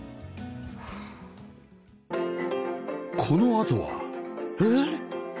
このあとはええっ！？